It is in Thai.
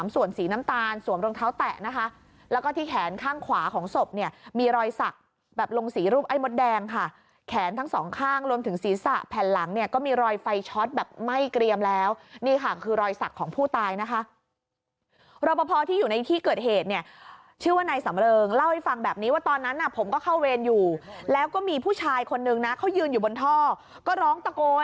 สีน้ำตาลสวมรองเท้าแตะนะคะแล้วก็ที่แขนข้างขวาของศพเนี่ยมีรอยศักดิ์แบบลงสีรูปไอ้มดแดงค่ะแขนทั้งสองข้างรวมถึงศีรษะแผ่นหลังเนี่ยก็มีรอยไฟชอตแบบไหม้เกรียมแล้วนี่ค่ะคือรอยศักดิ์ของผู้ตายนะคะรบพอที่อยู่ในที่เกิดเหตุเนี่ยชื่อว่านายสำเริงเล่าให้ฟังแบบนี้ว่าตอน